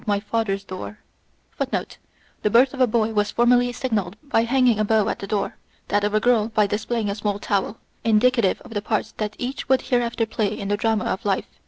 22 The birth of a boy was formerly signalled by hanging a bow at the door ; that of a girl, by displaying a small towel indicative of the parts that each would hereafter play in the drama of life.